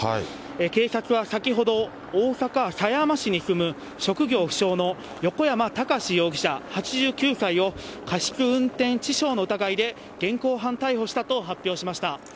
警察は先ほど、大阪狭山市に住む、職業不詳のよこやまたかし容疑者８９歳を、過失運転致傷の疑いで現行犯逮捕したと発表しました。